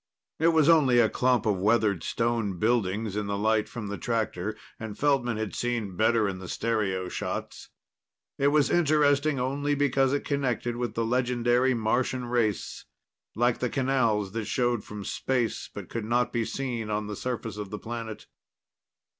It was only a clump of weathered stone buildings in the light from the tractor, and Feldman had seen better in the stereo shots. It was interesting only because it connected with the legendary Martian race, like the canals that showed from space but could not be seen on the surface of the planet.